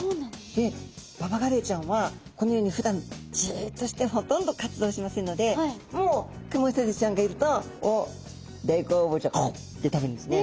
でババガレイちゃんはこのようにふだんじっとしてほとんど活動しませんのでもうクモヒトデちゃんがいるとおっ大好物ガブ！って食べるんですね。